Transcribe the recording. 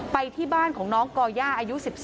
ไปที่บ้านของน้องก่อย่าอายุ๑๒